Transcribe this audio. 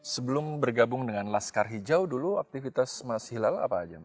sebelum bergabung dengan laskar hijau dulu aktivitas mas hilal apa aja mas